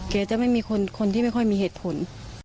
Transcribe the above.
แกจะไม่มีคนที่ไม่ค่อยมีเหตุผล